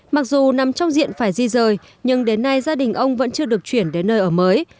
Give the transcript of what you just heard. mặc dù nằm trong diện phải di rời nhưng đến nay gia đình ông vẫn chưa được chuyển đến nơi ở mới